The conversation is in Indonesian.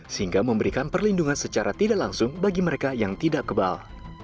sehingga memberikan perlindungan secara tidak langsung bagi mereka yang tidak kebal